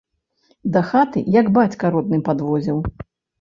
Да хаты як бацька родны падводзіў.